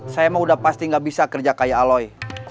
saya emang udah pasti gak bisa kerja kayak aloy